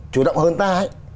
chủ động hơn ta ấy